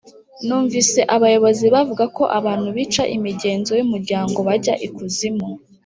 numvise abayobozi bavuga ko abantu bica imigenzo y’umuryango bajya ikuzimu